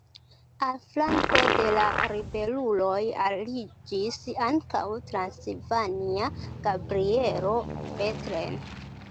Al flanko de la ribeluloj aliĝis ankaŭ transilvania Gabrielo Bethlen.